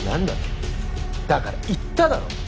だから言っただろ。